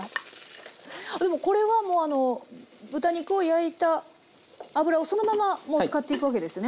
でもこれはあの豚肉を焼いた油をそのままもう使っていくわけですね。